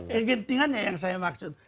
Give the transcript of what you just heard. kegentingannya yang saya maksud